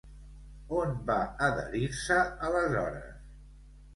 On va adherir-se, aleshores?